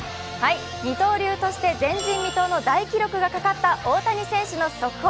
二刀流として前人未到の大記録がかかった大谷選手の速報。